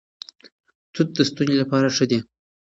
توت د ستوني لپاره ښه دي.